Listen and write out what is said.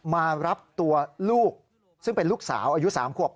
มารับตัวลูกซึ่งเป็นลูกสาวอายุ๓ขวบ